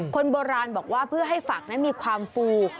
คนโบราณบอกว่าเพื่อให้ฝักนั้นมีความฟู